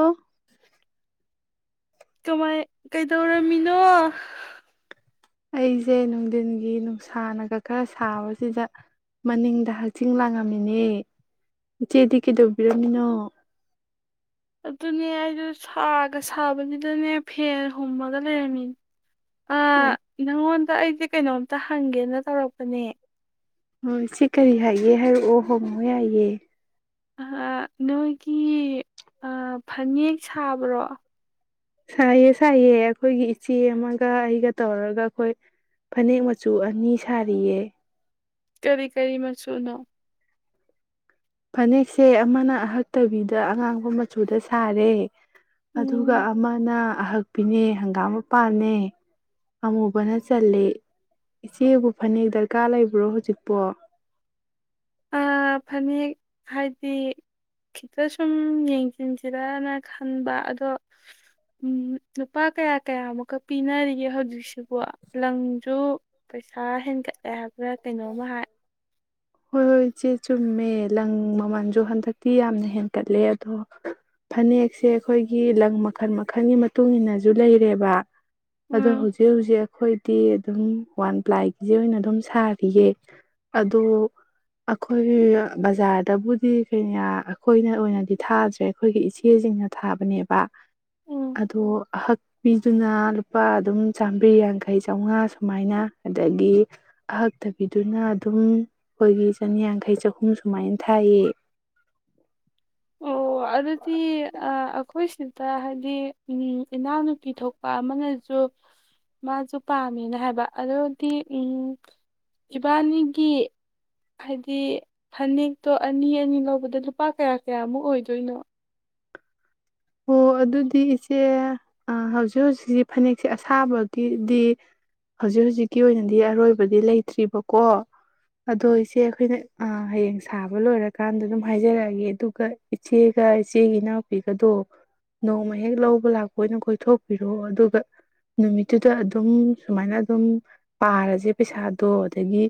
ꯑꯣ ꯀꯃꯥꯏ ꯀꯩꯗꯧꯔꯝꯃꯤꯅꯣ ꯑꯩꯁꯦ ꯅꯨꯡꯊꯤꯟꯒꯤ ꯅꯨꯡꯁꯥꯅꯒ ꯈꯔ ꯁꯥꯕꯁꯤꯗ ꯃꯅꯤꯡꯗ ꯍꯛꯆꯤꯡ ꯂꯥꯡꯉꯝꯃꯤꯅꯦ ꯏꯆꯦꯗꯤ ꯀꯩꯗꯧꯕꯤꯔꯝꯃꯤꯅꯣ ꯑꯗꯨꯅꯦ ꯑꯩꯗꯣ ꯁꯥꯒ ꯁꯥꯕꯅꯤꯗꯅꯦ ꯐꯦꯟ ꯍꯨꯝꯃꯒ ꯂꯩꯔꯝꯃꯤꯅꯦ ꯑ ꯏꯪꯉꯣꯟ ꯑ ꯑꯩꯁꯦ ꯀꯩꯅꯣꯝꯇ ꯍꯪꯒꯦꯅ ꯇꯧꯔꯛꯄꯅꯦ ꯍ ꯁꯤ ꯀꯔꯤ ꯍꯥꯏꯒꯦ ꯍꯥꯏꯔꯛꯑꯣ ꯍꯣꯡꯉꯣ ꯌꯥꯏꯑꯦ ꯅꯣꯏꯒꯤ ꯐꯅꯦꯛ ꯁꯥꯕ꯭ꯔꯣ ꯁꯥꯏꯌꯦ ꯁꯥꯏꯌꯦꯦ ꯑꯩꯈꯣꯏꯒꯤ ꯏꯆꯦ ꯑꯃꯒ ꯑꯩꯒ ꯇꯧꯔꯒ ꯑꯩꯈꯣꯏ ꯐꯅꯦꯛ ꯃꯆꯨ ꯑꯅꯤ ꯁꯥꯔꯤꯌꯦ ꯀꯔꯤ ꯀꯔꯤ ꯃꯆꯨꯅꯣ ꯐꯅꯦꯛꯁꯦ ꯑꯃꯅ ꯑꯍꯛꯇꯕꯤꯗ ꯑꯉꯥꯡꯕ ꯃꯆꯨꯗ ꯁꯥꯔꯦ ꯑꯗꯨꯒ ꯎꯝ ꯑꯃꯅ ꯑꯍꯛꯄꯤꯅꯦ ꯍꯪꯒꯥꯝ ꯃꯄꯥꯟꯅꯦ ꯑꯃꯨꯕꯅ ꯆꯜꯂꯤ ꯏꯆꯦꯕꯨ ꯐꯅꯦꯛ ꯗꯔꯀꯥꯔ ꯂꯩꯕ꯭ꯔꯣ ꯍꯧꯖꯤꯛꯄꯣ ꯐꯅꯦꯛ ꯍꯥꯏꯗꯤ ꯈꯤꯇ ꯁꯨꯝ ꯌꯦꯡꯁꯤꯟꯁꯤꯔꯅ ꯈꯟꯕ ꯑꯗꯣ ꯂꯨꯄꯥ ꯀꯌꯥ ꯀꯌꯥꯃꯨꯛꯀꯛ ꯄꯤꯅꯔꯤꯒꯦ ꯍꯧꯖꯤꯛꯁꯨ ꯋꯥ ꯂꯪꯖꯨ ꯄꯩꯁꯥ ꯍꯦꯟꯒꯠꯂꯦ ꯍꯥꯏ ꯈꯔ ꯀꯩꯅꯣꯝꯃ ꯍꯥꯏ ꯍꯣꯏ ꯍꯣꯏ ꯏꯆꯦ ꯆꯨꯝꯃꯦ ꯂꯪ ꯃꯃꯜꯁꯨ ꯍꯟꯗꯛꯇꯤ ꯌꯥꯝꯅ ꯍꯦꯟꯀꯠꯂꯦ ꯑꯗꯣ ꯐꯅꯦꯛꯁꯦ ꯑꯩꯈꯣꯏꯒꯤ ꯂꯪ ꯃꯈꯜ ꯃꯈꯜꯒꯤ ꯃꯇꯨꯡ ꯏꯟꯅꯁꯨ ꯂꯩꯔꯦꯕ ꯑꯗꯣ ꯎꯝ ꯍꯧꯖꯤꯛ ꯍꯧꯖꯤꯛ ꯑꯩꯈꯣꯏꯗꯤ ꯑꯗꯨꯝ ꯋꯥꯟ ꯄ꯭ꯂꯥꯏꯒꯤꯁꯦ ꯑꯣꯏꯅ ꯑꯗꯨꯝ ꯁꯥꯔ ꯄꯤꯌꯦ ꯑꯗꯣ ꯑꯩꯈꯣꯏ ꯕꯖꯥꯔꯗꯕꯨꯗꯤ ꯀꯩꯌꯥ ꯑꯩꯈꯣꯏꯅ ꯑꯣꯏꯅꯗꯤ ꯊꯥꯗ꯭ꯔꯦ ꯑꯩꯈꯣꯏꯒꯤ ꯏꯆꯦꯁꯤꯡꯅ ꯊꯥꯕꯅꯦꯕ ꯎꯝ ꯑꯗꯣ ꯑꯍꯛꯄꯤꯗꯨꯅ ꯂꯨꯄꯥ ꯑꯗꯨꯝ ꯆꯥꯝꯃ꯭ꯔꯤ ꯌꯥꯡꯈꯩ ꯆꯥꯎꯉꯥ ꯁꯨꯃꯥꯏꯅ ꯑꯗꯒꯤ ꯑꯍꯛ ꯇꯕꯤꯗꯨꯅ ꯑꯗꯨꯝ ꯑꯩꯈꯣꯏꯒꯤ ꯆꯅꯤꯌꯥꯡꯈꯩ ꯆꯍꯨꯝ ꯁꯨꯃꯥꯏꯅ ꯊꯥꯏꯌꯦ ꯑꯣ ꯑꯗꯨꯗꯤ ꯑꯈꯣꯏꯁꯤ ꯗ ꯍꯥꯏꯗꯤ ꯏꯅꯥꯎꯅꯨꯄꯤ ꯊꯣꯛꯄ ꯑꯃꯅꯁꯨ ꯃꯥꯁꯨ ꯄꯥꯝꯃꯦꯅ ꯍꯥꯏꯕ ꯑꯗꯨꯗꯤ ꯏꯕꯥꯅꯤꯒꯤ ꯍꯥꯏꯗꯤ ꯐꯅꯦꯛꯇꯣ ꯑꯅꯤ ꯑꯅꯤ ꯂꯧꯕꯗ ꯂꯨꯄꯥ ꯀꯌꯥ ꯀꯌꯥꯃꯨꯛ ꯑꯣꯏꯗꯣꯏꯅꯣ ꯑꯣ ꯑꯗꯨꯗꯤ ꯏꯆꯦ ꯍꯧꯖꯤꯛ ꯍꯧꯖꯤꯛꯁꯤ ꯐꯅꯦꯛꯁꯦ ꯑꯁꯥꯕꯗꯤꯗꯤ ꯍꯧꯖꯤꯛ ꯍꯧꯖꯤꯛꯀꯤ ꯑꯣꯏꯅꯗꯤ ꯑꯔꯣꯏꯕꯗꯤ ꯂꯩꯇ꯭ꯔꯤꯕꯀꯣ ꯑꯗꯣ ꯏꯆꯦ ꯑꯩꯈꯣꯏꯅ ꯍꯌꯦꯡ ꯁꯥꯕ ꯂꯣꯏꯔꯀꯥꯟꯗ ꯑꯗꯨꯝ ꯍꯥꯏꯖꯔꯛꯑꯒꯦ ꯑꯗꯨꯒ ꯏꯆꯦꯒ ꯏꯆꯦꯒꯤ ꯏꯅꯥꯎꯄꯤꯒꯗꯣ ꯅꯣꯡꯃ ꯍꯦꯛ ꯂꯧꯕ ꯂꯥꯛꯄ ꯑꯣꯏꯅ ꯀꯣꯏꯊꯣꯛꯄꯤꯔꯣ ꯑꯗꯨꯒ ꯅꯨꯃꯤꯠꯇꯨꯗ ꯑꯗꯨꯝ ꯁꯨꯃꯥꯏꯅ ꯑꯗꯨꯝ ꯄꯥꯔꯁꯦ ꯄꯩꯁꯥꯗꯣ ꯑꯗꯒꯤ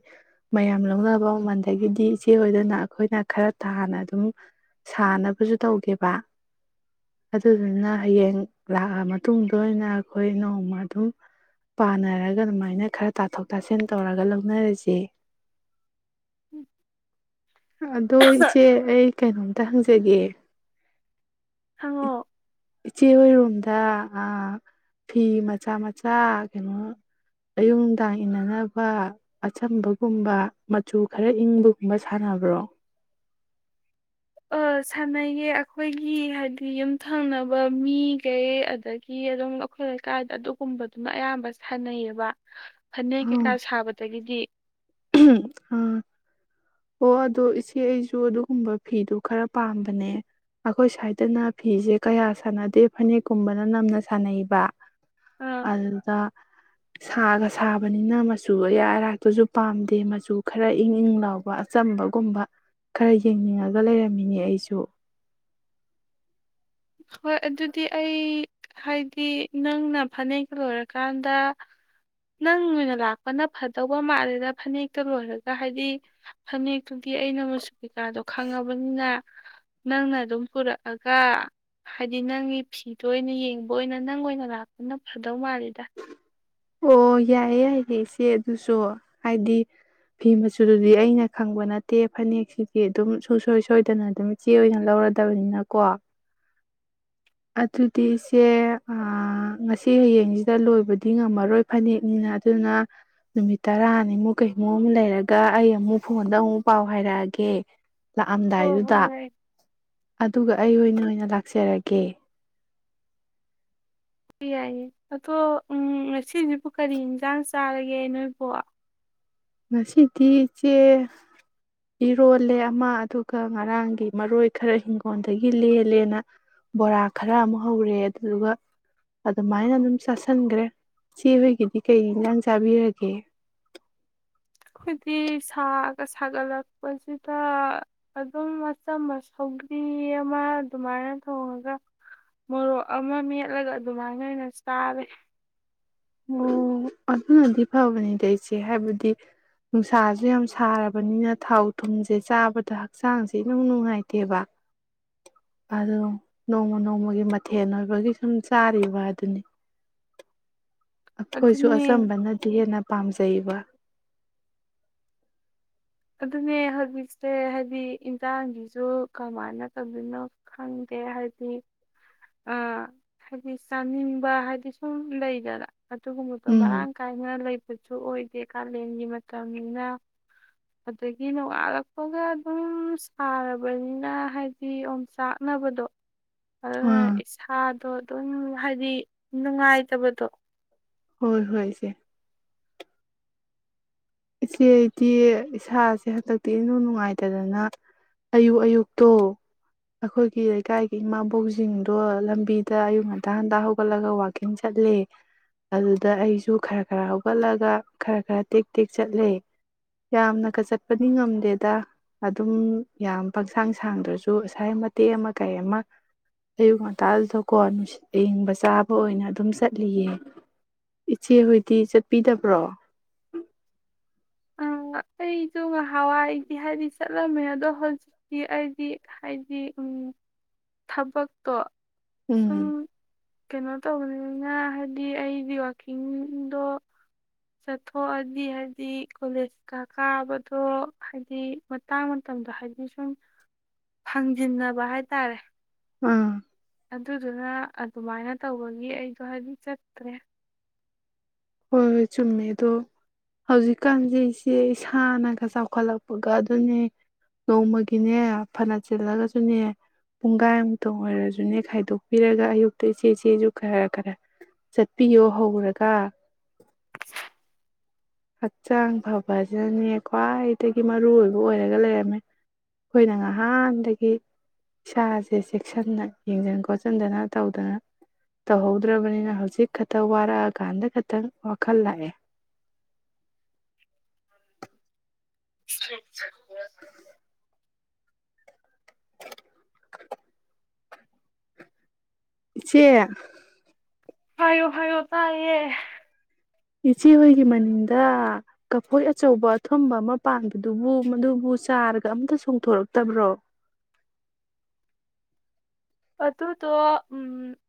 ꯃꯌꯥꯝ ꯂꯧꯅꯕ ꯃꯃꯜꯗꯒꯤꯗꯤ ꯏꯆꯦ ꯍꯣꯏꯗꯅ ꯑꯩꯈꯣꯏꯅ ꯈꯔ ꯇꯥꯅ ꯑꯗꯨꯝ ꯁꯥꯥꯟꯅꯕꯁꯨ ꯇꯧꯒꯦꯕ ꯑꯗꯨꯗꯨꯅ ꯍꯌꯦꯡ ꯂꯥꯛꯑ ꯃꯇꯨꯡꯗ ꯑꯣꯏꯅ ꯑꯩꯈꯣꯏ ꯅꯣꯡꯃ ꯑꯗꯨꯝ ꯄꯥꯅꯔꯒ ꯑꯗꯨꯃꯥꯏꯅ ꯈꯔ ꯇꯥꯊꯣꯛ ꯇꯥꯁꯤꯟ ꯇꯧꯔꯒ ꯂꯧꯅꯔꯁꯦ ꯎꯝ ꯑꯗꯣ ꯏꯆꯦ ꯑꯩ ꯀꯩꯅꯣꯝꯇ ꯍꯪꯖꯒꯦ ꯍꯪꯉꯣ ꯏꯆꯦ ꯑꯣꯏꯔꯣꯝꯗ ꯑꯥ ꯐꯤ ꯃꯆꯥ ꯃꯆꯥ ꯀꯩꯅꯣ ꯑꯌꯨꯛ ꯅꯨꯗꯥꯡ ꯏꯟꯅꯅꯕ ꯑꯆꯝꯕꯒꯨꯝꯕ ꯃꯆꯨ ꯈꯔ ꯏꯪꯕꯒꯨꯝꯕ ꯁꯥꯟꯅꯕ꯭ꯔꯣ ꯑ ꯁꯥꯟꯅꯩꯌꯦ ꯑꯩꯈꯣꯏꯒꯤ ꯍꯥꯏꯗꯤ ꯌꯨꯝꯊꯪꯅꯕ ꯃꯤꯈꯩ ꯑꯗꯒꯤ ꯑꯗꯨꯝ ꯑꯩꯈꯣꯏ ꯂꯩꯀꯥꯏꯗ ꯑꯗꯨꯒꯨꯝꯕꯗꯨꯝ ꯑꯌꯥꯝꯕ ꯁꯥꯟꯅꯩꯌꯦꯕ ꯐꯅꯦꯛ ꯀꯩꯀꯥ ꯑꯥ ꯁꯥꯕꯗꯒꯤꯗꯤ ꯑꯥ ꯑꯣ ꯑꯗꯣ ꯏꯆꯦ ꯑꯩꯁꯨ ꯑꯗꯨꯒꯨꯝꯕ ꯐꯤꯗꯨ ꯈꯔ ꯄꯥꯝꯕꯅꯦ ꯑꯩꯈꯣꯏ ꯁ꯭ꯋꯥꯏꯗꯅ ꯐꯤꯁꯦ ꯀꯌꯥ ꯁꯥꯟꯅꯗꯦ ꯐꯅꯦꯛꯀꯨꯝꯕꯅ ꯅꯝꯅ ꯁꯥꯟꯅꯩꯕ ꯑꯥ ꯑꯗꯨꯗ ꯁꯥꯒꯁ ꯁꯥꯕꯅꯤꯅ ꯃꯆꯨ ꯑꯌꯥ ꯑꯔꯥꯛꯇꯁꯨ ꯄꯥꯝꯗꯦ ꯃꯆꯨ ꯈꯔ ꯏꯪ ꯏꯪ ꯂꯥꯎꯕ ꯑꯆꯝꯕꯒꯨꯝꯕ ꯈꯔ ꯌꯦꯡꯅꯤꯡꯉꯒ ꯂꯩꯔꯝꯃꯤꯅꯦ ꯑꯩꯁꯨ ꯍꯣꯏ ꯑꯗꯨꯗꯤ ꯑꯩ ꯍꯥꯏꯗꯤ ꯅꯪꯅ ꯐꯅꯦꯛꯇꯨ ꯂꯣꯏꯔꯀꯥꯟꯗ ꯅꯪ ꯑꯣꯏꯅ ꯂꯥꯛꯄꯅ ꯐꯗꯧꯕ ꯃꯥꯜꯂꯦꯗ ꯐꯅꯦꯛꯇꯨ ꯂꯣꯏꯔꯒ ꯍꯥꯏꯗꯤ ꯐꯅꯦꯛꯇꯨꯗꯤ ꯑꯩꯅ ꯃꯆꯨ ꯀꯩꯀꯥꯗꯣ ꯈꯪꯉꯕꯅꯤꯅ ꯅꯪꯅ ꯑꯗꯨꯝ ꯄꯨꯔꯛꯑꯒ ꯍꯥꯏꯗꯤ ꯅꯪꯒꯤ ꯐꯤꯗꯣ ꯑꯣꯏꯅ ꯌꯦꯡꯕ ꯑꯣꯏꯅ ꯅꯪ ꯑꯣꯏꯅ ꯂꯥꯛꯄꯅ ꯐꯗꯧ ꯃꯥꯜꯂꯤꯗ ꯑꯣ ꯌꯥꯏꯌꯦ ꯌꯥꯏꯌꯦ ꯏꯆꯦ ꯑꯗꯨꯁꯨ ꯍꯥꯏꯗꯤ ꯐꯤ ꯃꯆꯨꯗꯨꯗꯤ ꯑꯩꯅ ꯈꯪꯕ ꯅꯠꯇꯦ ꯐꯅꯦꯛꯁꯤꯗꯤ ꯑꯗꯨꯝ ꯁꯨꯡꯁꯣꯏ ꯁꯣꯏꯗꯅ ꯑꯗꯨꯝ ꯏꯆꯦ ꯑꯣꯏꯅ ꯂꯧꯔꯗꯕꯅꯤꯅꯀꯣ ꯑꯗꯨꯗꯤ ꯏꯆꯦ ꯉꯁꯤ ꯍꯌꯦꯡꯁꯤꯗ ꯂꯣꯏꯕꯗꯤ ꯉꯝꯃꯔꯣꯏ ꯔꯣꯏ ꯐꯅꯦꯛꯅꯤꯅ ꯑꯗꯨꯅ ꯅꯨꯃꯤꯠ ꯇꯔꯥꯅꯤꯃꯨꯛ ꯀꯔꯤꯅꯣ ꯑꯃ ꯂꯩꯔꯒ ꯑꯩ ꯑꯃꯨꯛ ꯐꯣꯟꯗ ꯑꯃꯨꯛ ꯄꯥꯎ ꯍꯥꯏꯔꯛꯑꯒꯦ ꯍꯣꯏ ꯍꯣꯏ ꯂꯥꯛꯑꯝꯗꯥꯏꯗꯨꯗ ꯍꯣꯏ ꯑꯗꯨꯒ ꯑꯩ ꯑꯣꯏꯅ ꯑꯣꯏꯅ ꯂꯥꯛꯆꯔꯒꯦ ꯌꯥꯏꯌꯦ ꯑꯗꯣ ꯎꯝ ꯉꯁꯤꯁꯤꯕꯨ ꯀꯔꯤ ꯏꯟꯁꯥꯡ ꯆꯥꯔꯒꯦ ꯅꯣꯏꯕꯨ ꯉꯁꯤꯗꯤ ꯏꯆꯦ ꯏꯔꯣꯜꯂꯦ ꯑꯃ ꯑꯗꯨꯒ ꯉꯔꯥꯡꯒꯤ ꯃꯔꯣꯏ ꯈꯔ ꯍꯤꯡꯒꯣꯟꯗꯒꯤ ꯂꯦꯜꯂꯦꯅ ꯕꯣꯔꯥ ꯈꯔ ꯑꯃ ꯍꯧꯔꯦ ꯑꯗꯨꯗꯨꯒ ꯑꯗꯨꯃꯥꯏꯅ ꯑꯗꯨꯝ ꯆꯥꯥꯁꯟꯈꯒꯔꯦ ꯏꯆꯦ ꯍꯣꯏꯒꯤꯗꯤ ꯀꯩ ꯏꯟꯁꯥꯡ ꯆꯥꯕꯤꯔꯒꯦ ꯑꯩꯈꯣꯏꯗꯤ ꯁꯥꯒ ꯁꯥꯒꯠꯂꯛꯄꯁꯤꯗ ꯑꯗꯨꯝ ꯑꯆꯝꯕ ꯁꯧꯒ꯭ꯔꯤ ꯑꯃ ꯑꯗꯨꯃꯥꯏꯅ ꯊꯣꯡꯉꯒ ꯃꯣꯔꯣꯛ ꯑꯃ ꯃꯦꯠꯂꯒ ꯑꯗꯨꯃꯥꯏꯅ ꯑꯣꯏꯅ ꯆꯥꯔꯦ ꯐꯕꯅꯤꯗꯤ ꯑꯩꯆꯦ ꯍꯥꯏꯕꯗꯤ ꯅꯨꯡꯁꯥꯁꯨ ꯌꯥꯝ ꯁꯥꯔꯕꯅꯤꯅ ꯊꯥꯎ ꯊꯨꯝꯁꯦ ꯆꯥꯕꯗ ꯍꯛꯆꯥꯡꯁꯦ ꯏꯅꯨꯡ ꯅꯨꯡꯉꯥꯏꯇꯦꯕ ꯑꯗꯨꯗꯨꯝ ꯅꯣꯡꯃ ꯅꯣꯡꯃꯒꯤ ꯃꯊꯦꯜ ꯑꯣꯏꯕꯒꯤ ꯁꯨꯝ ꯆꯥꯔꯤꯕ ꯍꯥꯏꯗꯨꯅꯤ ꯑꯩꯈꯣꯏꯁꯨ ꯑꯗꯨꯅꯦ ꯑꯆꯝꯕꯅꯗꯤ ꯍꯦꯟꯅ ꯄꯥꯝꯖꯩꯕ ꯑꯗꯨꯅꯦ ꯍꯧꯖꯤꯛꯁꯦ ꯍꯥꯏꯗꯤ ꯏꯟꯖꯥꯡꯁꯤꯁꯨ ꯀꯃꯥꯏꯅ ꯇꯧꯗꯣꯏꯅꯣ ꯈꯪꯗꯦ ꯍꯥꯏꯗꯤ ꯑ ꯍꯥꯏꯗꯤ ꯆꯥꯅꯤꯡꯕ ꯍꯥꯏꯗꯤ ꯁꯨꯝ ꯂꯩꯗꯅ ꯑꯗꯨꯒꯨꯝꯕꯗꯣ ꯎꯝ ꯃꯔꯥꯡ ꯀꯥꯏꯅ ꯂꯩꯕꯁꯨ ꯑꯣꯏꯗꯦ ꯀꯥꯂꯦꯟꯒꯤ ꯃꯇꯝꯅꯤꯅ ꯑꯗꯒꯤ ꯅꯣꯡꯉꯠꯂꯛꯄꯒ ꯑꯗꯨꯝ ꯁꯥꯔꯕꯅꯤꯅ ꯍꯥꯏꯗꯤ ꯌꯣꯡꯆꯥꯛꯅꯕꯗꯣ ꯑꯗꯨꯅ ꯑꯥ ꯏꯁꯥꯗꯣ ꯑꯗꯨꯝ ꯍꯥꯏꯗꯤ ꯅꯨꯡꯉꯥꯏꯇꯕꯗꯣ ꯍꯣꯏ ꯍꯣꯏꯁꯦ ꯏꯆꯦꯗꯤ ꯏꯁꯥꯁꯦ ꯍꯟꯗꯛꯇꯤ ꯏꯅꯅꯨꯡ ꯅꯨꯡꯉꯥꯏꯇꯗꯅ ꯑꯌꯨꯛ ꯑꯌꯨꯛꯇꯣ ꯑꯩꯈꯣꯏꯒꯤ ꯂꯩꯀꯥꯏꯒꯤ ꯏꯃꯥꯕꯣꯛꯁꯤꯡꯗꯣ ꯂꯝꯕꯤꯗ ꯑꯌꯨꯛ ꯉꯟꯇꯥ ꯍꯟꯇꯥ ꯍꯧꯒꯠꯂꯒ ꯋꯥꯋꯥꯛꯀꯤꯡ ꯆꯠꯂꯦ ꯑꯗꯨꯗ ꯑꯩꯁꯨ ꯈꯔ ꯈꯔ ꯍꯧꯒꯠꯂꯒ ꯈꯔ ꯈꯔ ꯇꯦꯛ ꯇꯦꯛ ꯆꯠꯂꯦ ꯌꯥꯝꯅꯀ ꯆꯠꯄꯗꯤ ꯉꯝꯗꯦꯗ ꯑꯗꯨꯝ ꯌꯥꯝ ꯄꯪꯁꯥꯡ ꯁꯥꯡꯗ꯭ꯔꯁꯨ ꯉꯁꯥꯏ ꯃꯇꯦꯛ ꯑꯃ ꯀꯩ ꯑꯃ ꯑꯌꯨꯛ ꯉꯟꯇꯥꯗꯀꯣꯠ ꯑꯌꯡꯕ ꯆꯥꯕ ꯑꯣꯏꯅ ꯑꯗꯨꯝ ꯆꯠꯂꯤꯌꯦ ꯏꯆꯦ ꯍꯗꯤ ꯆꯠꯄꯤꯗꯕ꯭ꯔꯣ ꯑ ꯑꯩꯁꯨ ꯉꯍꯥꯟꯋꯥꯏꯗꯤ ꯍꯥꯏꯗꯤ ꯆꯠꯂꯝꯃꯦ ꯑꯗꯣ ꯍꯧꯖꯤꯛꯇꯤ ꯑꯩꯗꯤ ꯍꯥꯏꯗꯤ ꯎꯝ ꯊꯕꯛꯇꯣ ꯎꯝ ꯁꯨꯝ ꯀꯩꯅꯣ ꯇꯧꯕꯅꯤꯅ ꯍꯥꯏꯗꯤ ꯑꯩꯗꯤ ꯋꯀꯤꯡꯗꯣ ꯆꯠꯊꯣꯛꯑꯗꯤ ꯍꯥꯏꯗꯤ ꯀꯣꯂꯦꯖꯀ ꯀꯥꯕꯗꯣ ꯍꯥꯏꯗꯤ ꯃꯇꯥꯡ ꯃꯇꯝꯗꯣ ꯍꯥꯏꯗꯤ ꯁꯨꯝ ꯐꯪꯖꯤꯟꯅꯕ ꯍꯥꯏꯇꯥꯔꯦ ꯑꯥ ꯑꯗꯨꯗꯨꯅ ꯑꯗꯨꯃꯥꯏꯅ ꯇꯧꯕꯒꯤ ꯑꯩꯗꯣ ꯍꯥꯏꯗꯤ ꯆꯠꯇ꯭ꯔꯦ ꯍꯣꯏ ꯍꯣꯏ ꯆꯨꯝꯃꯦ ꯑꯗꯣ ꯍꯧꯖꯤꯛꯀꯥꯟꯁꯦ ꯏꯆꯦ ꯏꯁꯥꯅꯒ ꯆꯥꯎꯈꯠꯂꯛꯄꯒ ꯑꯗꯨꯅꯦ ꯅꯣꯡꯃꯒꯤꯅꯦ ꯐꯅ ꯆꯤꯜꯂꯒꯁꯨꯅꯦ ꯄꯨꯡꯈꯥꯏ ꯑꯃꯨꯛꯇꯪ ꯑꯣꯏꯔꯁꯨꯅꯦ ꯈꯥꯏꯗꯣꯛꯄꯤꯔꯒ ꯑꯌꯨꯛꯇ ꯏꯆꯦ ꯏꯆꯦꯁꯨ ꯈꯔ ꯈꯔ ꯆꯠꯄꯤꯌꯣ ꯍꯧꯔꯒ ꯍꯛꯆꯥꯡ ꯐꯕꯁꯤꯅꯅꯦ ꯈ꯭ꯋꯥꯏꯗꯒꯤ ꯃꯔꯨꯑꯣꯏꯕ ꯑꯣꯏꯔꯒ ꯂꯩꯔꯝꯃꯦ ꯑꯩꯈꯣꯏꯅ ꯉꯍꯥꯟꯗꯒꯤ ꯏꯁꯥꯁꯦ ꯆꯦꯛꯁꯤꯟꯅ ꯌꯦꯡꯁꯤꯟ ꯈꯣꯠꯆꯤꯟꯗꯅ ꯇꯧꯗꯅ ꯇꯧꯍꯧꯗ꯭ꯔꯕꯅꯤꯅ ꯍꯧꯖꯤꯛ ꯈꯛꯇ ꯋꯥꯔꯛꯑꯀꯥꯟꯗ ꯈꯤꯇꯪ ꯋꯥꯈꯜ ꯂꯥꯛꯑꯦ ꯑ [unintelligible] ꯁꯤꯦ ꯍꯥꯏꯌꯣ ꯍꯥꯏꯌꯣ ꯇꯥꯏꯌꯦ ꯏꯆꯦ ꯍꯣꯏꯒꯤ ꯃꯅꯤꯡꯗ ꯀꯐꯣꯏ ꯑꯆꯧꯕ ꯑꯊꯨꯝꯕ ꯑꯃ ꯄꯥꯟꯕꯗꯨꯕꯨ ꯃꯗꯨꯕꯨ ꯆꯥꯔꯒ ꯑꯝꯇ ꯆꯣꯡꯊꯣꯔꯛꯇꯕ꯭ꯔꯣ ꯑꯗꯨꯗꯣ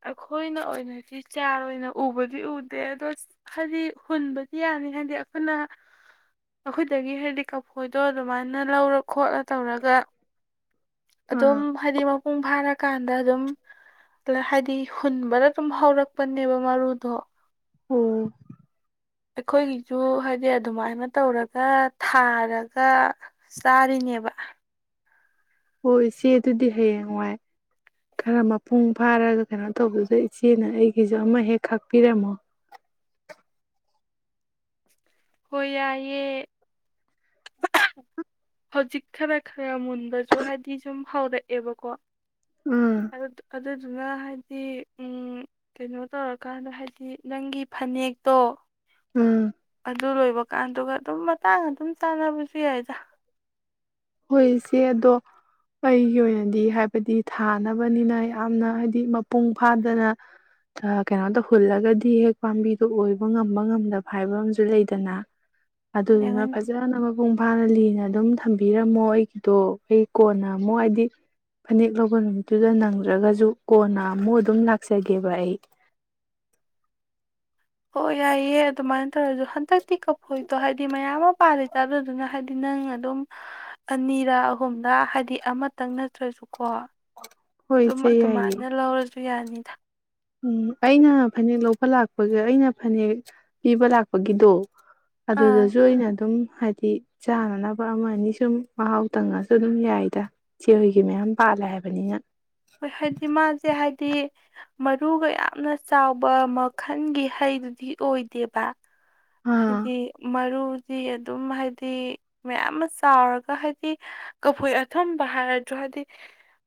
ꯑꯩꯈꯣꯏꯅ ꯑꯣꯏꯅꯗꯤ ꯆꯥꯔ ꯑꯣꯏꯅ ꯎꯕꯗꯤ ꯎꯗꯦ ꯑꯗꯣ ꯍꯥꯏꯗꯤ ꯍꯨꯟꯕꯗꯤ ꯌꯥꯅꯤ ꯍꯥꯏꯗꯤ ꯑꯩꯈꯣꯏꯅ ꯑꯩꯈꯣꯏꯗꯒꯤ ꯍꯥꯏꯗꯤ ꯀꯐꯣꯏꯗꯣ ꯑꯗꯨꯃꯥꯏꯅ ꯂꯧꯔ ꯈꯣꯠꯂ ꯇꯧꯔꯒ ꯑꯗꯨꯝ ꯑꯥ ꯍꯥꯏꯗꯤꯃꯛ ꯎꯚꯥꯠ ꯀꯥꯟꯗ ꯑꯗꯨꯝ ꯍꯥꯏꯗꯤ ꯍꯨꯟꯕꯅ ꯑꯗꯨꯝ ꯍꯧꯔꯛꯄꯅꯦꯕ ꯃꯔꯨꯗꯣ ꯑꯣ ꯑꯩꯈꯣꯏꯒꯤꯁꯨ ꯍꯥꯏꯗꯤ ꯑꯗꯨꯃꯥꯏꯅ ꯇꯧꯔꯒ ꯊꯥꯔꯒ ꯆꯥꯔꯤꯅꯦꯕ ꯑꯣ ꯏꯆꯦꯗꯨꯗꯤ ꯍꯌꯦꯡꯋꯥꯏ ꯈꯔ ꯃꯄꯨꯡ ꯐꯥꯔꯒ ꯀꯩꯅꯣ ꯇꯧꯕꯗ ꯏꯆꯦꯅ ꯑꯩꯒꯤꯁꯨ ꯑꯃ ꯍꯦꯛ ꯈꯥꯛꯄꯤꯔꯝꯃꯣ ꯍꯥꯏ ꯌꯦꯦ ꯍꯧꯖꯤꯛ ꯈꯔ ꯈꯔ ꯃꯨꯟꯕꯁꯨ ꯍꯥꯏꯗꯤ ꯁꯨꯝ ꯍꯧꯔꯛꯑꯦꯕꯀꯣ ꯎꯝ ꯑꯗꯨ ꯑꯗꯨ ꯑꯗꯨꯅ ꯍꯥꯏꯗꯤ ꯎ ꯀꯩꯅꯣ ꯇꯧꯔꯀꯥꯟꯗ ꯍꯥꯏꯗꯤ ꯅꯪꯒꯤ ꯐꯅꯦꯛꯇꯣ ꯎꯝ ꯑꯗꯨ ꯂꯣꯏꯕꯀꯥꯟꯗꯨꯒ ꯑꯗꯨꯝ ꯇꯥꯡ ꯑꯗꯨꯝ ꯆꯥꯟꯅꯕꯁꯨ ꯌꯥꯏꯗ ꯍꯣꯏ ꯏꯆꯦ ꯑꯗꯣ ꯑꯩꯒꯤ ꯑꯣꯏꯅꯗꯤ ꯍꯥꯏꯕꯗꯤ ꯊꯥꯅꯕꯅꯤꯅ ꯌꯥꯝꯅ ꯍꯥꯏꯗꯤ ꯃꯄꯨꯡ ꯐꯥꯗꯅ ꯀꯩꯅꯣ ꯇꯧꯍꯨꯜꯂꯒꯗꯤ ꯍꯦꯛ ꯄꯥꯝꯕꯤꯗꯣ ꯑꯣꯏꯕ ꯉꯝꯕ ꯉꯝꯗꯕ ꯍꯥꯏꯕ ꯑꯝꯨ ꯂꯩꯗꯅ ꯑꯗꯨꯗꯨꯅ ꯐꯅꯦꯛ ꯐꯖꯅ ꯃꯄꯨꯡ ꯐꯥꯅ ꯂꯤꯅ ꯑꯗꯨꯝ ꯊꯝꯕꯤꯔꯝꯃꯣ ꯑꯩꯒꯤꯗꯣ ꯑꯩ ꯀꯣꯟꯅ ꯑꯃꯨꯛ ꯍꯥꯏꯗꯤ ꯐꯅꯦꯛ ꯂꯧꯕ ꯅꯨꯃꯤꯠꯇꯨꯗ ꯅꯪꯗ꯭ꯔꯒꯁꯨ ꯀꯣꯟꯅ ꯑꯃꯨꯛ ꯑꯗꯨꯝ ꯂꯥꯛꯆꯒꯦꯕ ꯑꯩ ꯑꯣ ꯌꯥꯏꯑꯌꯦ ꯑꯗꯨꯥꯏꯅ ꯇꯧꯔꯖꯣ ꯍꯟꯇ ꯇꯤ ꯀꯞ ꯍꯣꯏꯗꯣ ꯍꯥꯏꯗꯤ ꯃꯌꯥꯝ ꯑꯃ ꯄꯥꯜꯂꯤ ꯆꯥ ꯑꯗꯨꯗꯨꯅ ꯍꯥꯏꯗꯤ ꯅꯪ ꯑꯗꯨꯝ ꯑꯅꯤꯔꯛ ꯑꯍꯨꯝꯗ ꯍꯥꯏꯗꯤ ꯑꯃꯇꯪ ꯅꯠꯇ꯭ꯔꯁꯨꯀꯣ ꯍꯣꯏ ꯑꯗꯨꯝ ꯏꯆꯦ ꯌꯥꯏꯌꯦ ꯑꯗꯨꯃꯥꯏꯅ ꯂꯧꯔꯁꯨ ꯁꯨ ꯌꯥꯅꯤꯗ ꯎꯝ ꯑꯩꯅ ꯐꯅꯦꯛ ꯂꯧꯕ ꯂꯥꯛꯄꯒꯤ ꯑꯩꯅ ꯐꯅꯦꯛ ꯄꯤꯕ ꯂꯥꯛꯄꯒꯤꯗꯣ ꯑꯥ ꯑꯗꯨꯗꯁꯨ ꯑꯩꯅ ꯑꯗꯨꯝ ꯍꯥꯏꯗꯤ ꯆꯥꯅꯅꯕ ꯑꯃ ꯑꯅꯤ ꯁꯨꯝ ꯃꯍꯥꯎ ꯇꯪꯉꯁꯨ ꯑꯗꯨꯝ ꯌꯥꯏꯗ ꯆꯦꯍꯣꯏꯒꯤ ꯃꯌꯥꯝ ꯄꯥꯜꯂꯦ ꯍꯥꯏꯕꯅꯤꯅ ꯇ ꯃꯔꯨꯒ ꯌꯥꯝꯅ ꯆꯥꯎꯕ ꯃꯈꯜꯒꯤ ꯍꯩꯗꯨꯗꯤ ꯑꯣꯏꯗꯦꯕ ꯑꯥ ꯍꯥꯏꯗꯤ ꯃꯔꯨ ꯗꯤ ꯑꯗꯨꯝ ꯍꯥꯏꯗꯤ ꯃꯌꯥꯝ ꯑꯃ ꯆꯥꯎꯔꯒ ꯍꯥꯏꯗꯤ ꯀꯐꯣꯏ ꯑꯊꯨꯝꯕ ꯍꯥꯏꯔꯁꯨꯣ ꯍꯥꯏꯗꯤ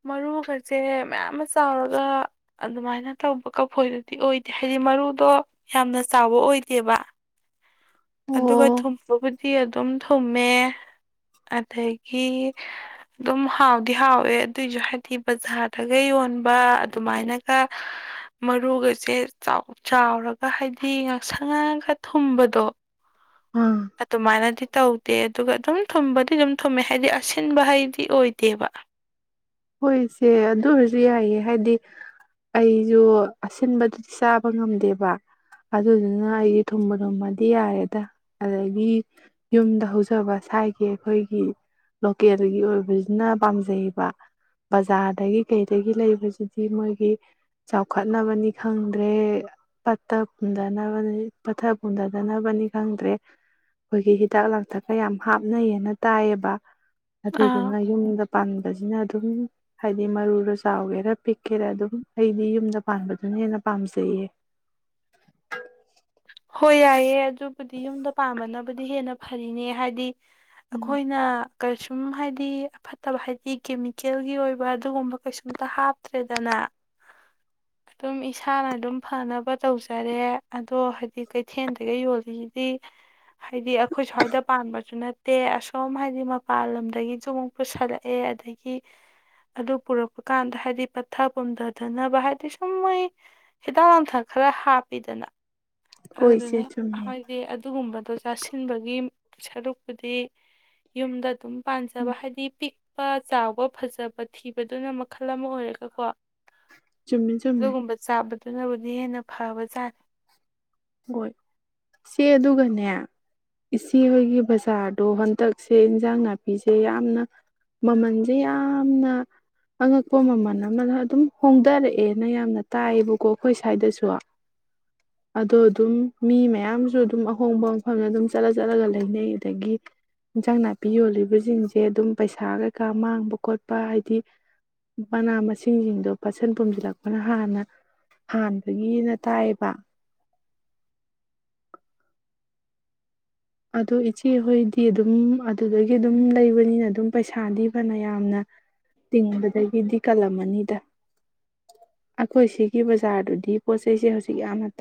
ꯃꯔꯨꯒ ꯀꯁꯦ ꯃꯌꯥꯝ ꯑꯃ ꯆꯥꯎꯔꯒ ꯑꯗꯨꯃꯥꯏꯅ ꯇꯧꯕ ꯀꯐꯣꯏꯗꯨꯗꯤ ꯑꯣꯏꯗꯦ ꯍꯥꯏꯗꯤ ꯃꯔꯨꯗꯣ ꯌꯥꯝꯅ ꯆꯥꯎꯕ ꯑꯣꯏꯗꯦꯕ ꯑꯗꯨꯒ ꯑꯣ ꯊꯨꯝꯕꯕꯨꯗꯤ ꯑꯗꯨꯝ ꯊꯨꯝꯃꯦ ꯑꯗꯒꯤ ꯑꯗꯨꯝ ꯍꯥꯎꯗꯤ ꯍꯥꯎꯋꯦ ꯑꯗꯨꯏꯁꯨ ꯍꯥꯏꯗꯤ ꯕꯖꯥꯔꯗꯒ ꯌꯣꯟꯕ ꯑꯗꯨꯃꯥꯏꯅꯒ ꯃꯔꯨꯒꯩꯁꯦ ꯆꯥꯎꯔꯒ ꯍꯥꯏꯗꯤ ꯉꯥꯛꯁꯪ ꯉꯥꯡꯒ ꯊꯨꯝꯕꯗꯣ ꯑꯥ ꯑꯗꯨꯃꯥꯏꯅꯗꯤ ꯇꯧꯗꯦ ꯑꯗꯨꯒ ꯑꯗꯨꯝ ꯊꯨꯝꯕꯗꯤ ꯑꯗꯨꯝ ꯊꯨꯝꯃꯦ ꯍꯥꯏꯗꯤ ꯑꯁꯤꯟꯕ ꯍꯩꯗꯤ ꯑꯣꯏꯗꯦꯕ ꯍꯣꯏ ꯏꯆꯦ ꯑꯗꯨ ꯑꯣꯏꯔꯁꯨ ꯌꯥꯏꯑ ꯍꯥꯏꯗꯤ ꯑꯩꯁꯨ ꯑꯁꯤꯟꯕꯗꯨꯗꯤ ꯆꯥꯕ ꯉꯝꯗꯦꯕ ꯑꯗꯨꯗꯨꯅ ꯑꯩꯁ ꯊꯨꯝꯕ ꯊꯨꯝꯃꯗꯤ ꯌꯥꯔꯦꯗ ꯑꯗꯒꯤ ꯌꯨꯝꯗ ꯍꯧꯖꯕ ꯁ꯭ꯋꯥꯏꯒꯤ ꯑꯩꯈꯣꯏꯒꯤ ꯂꯣꯀꯦꯜꯒꯤ ꯑꯣꯏꯕꯕꯁꯤꯅ ꯄꯥꯝꯖꯩꯌꯦꯕ ꯕꯖꯥꯔꯗꯒꯤ ꯀꯩꯗꯒꯤ ꯂꯩꯕꯁꯤꯗꯤ ꯃꯣꯏꯒꯤ ꯆꯥꯎꯈꯠꯅꯕꯅꯤ ꯈꯪꯗ꯭ꯔꯦ ꯄꯠꯇꯊꯅꯕ ꯄꯠꯊ ꯄꯨꯝꯊꯗꯅꯕꯅꯤ ꯈꯪꯗ꯭ꯔꯦ ꯑꯩꯈꯣꯏꯒꯤ ꯍꯤꯗꯥꯛ ꯂꯥꯡꯊꯛꯀ ꯌꯥꯝ ꯍꯥꯞꯅꯩꯌꯦꯅ ꯇꯥꯏꯑꯕ ꯑꯥ ꯑꯗꯨꯗꯨꯅ ꯌꯨꯝꯗ ꯄꯥꯟꯕꯁꯦ ꯎ ꯑꯗꯨꯝ ꯍꯥꯏꯗꯤ ꯃꯔꯨꯔ ꯆꯥꯎꯒꯦꯔ ꯄꯤꯛꯀꯦꯔ ꯑꯗꯨꯝ ꯑꯩꯗꯤ ꯌꯨꯝꯗ ꯄꯥꯟꯕꯗꯨꯅ ꯍꯦꯟꯅ ꯄꯥꯝꯖꯩꯌꯦ ꯍꯣꯏ ꯌꯥꯏꯌꯦꯦ ꯑꯗꯨꯕꯨꯗꯤ ꯌꯨꯝꯗ ꯄꯥꯝꯕꯅꯕꯨꯗꯤ ꯍꯦꯟꯅ ꯐꯔꯤꯅꯦ ꯍꯥꯏꯗꯤ ꯎꯝ ꯑꯩꯈꯣꯏꯅ ꯀꯩꯁꯨꯝ ꯍꯥꯏꯗꯤ ꯑꯐꯠꯇꯕ ꯍꯥꯏꯗꯤ ꯀꯦꯃꯤꯀꯦꯜꯒꯤ ꯑꯣꯏꯕ ꯑꯗꯨꯒꯨꯝꯕ ꯀꯩꯁꯨꯝꯇ ꯍꯥꯞꯇ꯭ꯔꯦꯗꯅ ꯑꯗꯨꯝ ꯏꯁꯥꯅ ꯑꯗꯨꯝ ꯐꯅꯕ ꯇꯧꯖꯔꯦ ꯑꯗꯣ ꯍꯥꯏꯗꯤ ꯀꯩꯊꯦꯜꯗꯒ ꯌꯣꯜꯂꯤꯁꯤꯗꯤ ꯍꯥꯏꯗꯤ ꯑꯩꯈꯣꯏ ꯁ꯭ꯋꯥꯏꯗ ꯄꯥꯟꯕꯁꯨ ꯅꯠꯇꯦ ꯑꯁꯣꯝ ꯍꯥꯏꯗꯤ ꯃꯄꯥꯟ ꯂꯝꯗꯒꯤꯁꯨ ꯑꯃꯨꯛ ꯄꯨꯁꯜꯂꯛꯑꯦ ꯑꯗꯒꯤ ꯑꯗꯨ ꯄꯨꯔꯛꯄ ꯀꯥꯟꯗ ꯍꯥꯏꯗꯤ ꯄꯠꯊ ꯄꯨꯝꯊꯗꯅꯕ ꯍꯥꯏꯗꯤ ꯁꯨꯝ ꯃꯣꯏ ꯍꯤꯗꯥꯛ ꯂꯥꯡꯊꯛ ꯈꯔ ꯍꯥꯞꯄꯤꯗꯅ ꯍꯣꯏ ꯏꯆꯦ ꯑꯗꯨꯗꯨꯅꯦ ꯆꯨꯝꯃꯦ ꯍꯥꯏꯣꯏꯗꯤ ꯑꯗꯨꯒꯨꯝꯕꯗ ꯆꯥꯁꯤꯟꯕꯒꯤ ꯁꯔꯨꯛꯄꯨꯗꯤ ꯌꯨꯝꯗ ꯑꯗꯨꯝ ꯄꯥꯟꯖꯕ ꯎꯝ ꯍꯥꯏꯗꯤ ꯄꯤꯛ ꯀ ꯆꯥꯎꯕ ꯐꯖꯕ ꯊꯤꯕꯗꯨꯅ ꯃꯈꯜ ꯑꯃ ꯑꯣꯏꯔꯒꯀꯣ ꯆꯨꯝꯃꯦ ꯆꯨꯝꯃꯦ ꯑꯗꯨꯒꯨꯝꯕ ꯆꯕ ꯑꯗꯨꯅꯕꯨꯗꯤ ꯍꯦꯟꯅ ꯐꯕꯖꯥꯠ ꯍꯣꯏ ꯏꯆꯦ ꯑꯗꯨꯒꯅꯦ ꯏꯆꯦ ꯍꯣꯏꯒꯤ ꯕꯖꯥꯔꯗꯣ ꯍꯟꯇꯛꯁꯦ ꯏꯟꯁꯥꯡ ꯅꯥꯄꯤꯁꯦ ꯌꯥꯝꯅ ꯃꯃꯜꯁꯦ ꯌꯥꯝꯅ ꯑꯉꯛꯄ ꯃꯃꯜ ꯑꯃꯗ ꯑꯗꯨꯝ ꯍꯣꯡꯊꯔꯛꯑꯦꯅ ꯌꯥꯝꯅ ꯇꯥꯏꯌꯦꯕꯀꯣ ꯑꯩꯈꯣꯏ ꯁ꯭ꯋꯥꯏꯗꯁꯨ ꯑꯗꯣ ꯑꯗꯨꯝ ꯃꯤ ꯃꯌꯥꯝꯁꯨ ꯑꯗꯨꯝ ꯑꯍꯣꯡꯕ ꯃꯐꯝꯗ ꯑꯗꯨꯝ ꯆꯠꯂ ꯆꯠꯂꯒ ꯂꯩꯅꯩ ꯑꯗꯒꯤ ꯏꯟꯖꯥꯡ ꯅꯥꯄꯤ ꯌꯣꯜꯂꯤꯕꯁꯤꯡꯁꯦ ꯑꯗꯨꯝ ꯄꯩꯁꯥ ꯀꯩꯀꯥ ꯃꯥꯡꯕ ꯈꯣꯠꯄ ꯍꯥꯏꯗꯤ ꯃꯅꯥ ꯃꯁꯤꯡꯁꯤꯡꯗꯣ ꯄꯥꯠꯁꯟ ꯄꯣꯝꯁꯤꯜꯂꯛꯄꯅ ꯍꯥꯟꯅ ꯍꯥꯟꯕꯒꯤꯅ ꯇꯥꯏꯌꯦꯕ ꯑꯗꯣ ꯏꯆꯦꯍꯣꯏꯗꯤ ꯑꯗꯨꯝ ꯑꯗꯨꯗꯒꯤ ꯑꯗꯨꯝ ꯂꯩꯕꯅꯤꯅ ꯑꯗꯨꯝ ꯄꯩꯁꯥꯗꯤ ꯐꯅ ꯌꯥꯝꯅ ꯇꯤꯡꯕꯗꯒꯤꯗꯤ ꯀꯜꯂꯝꯃꯅꯤꯗ ꯑꯩꯈꯣꯏ ꯁꯤꯒꯤ ꯕꯖꯥꯔꯗꯨꯗꯤ ꯄꯣꯠ ꯆꯩꯁꯦ ꯍꯧꯖꯤꯛ ꯌꯥꯝꯅ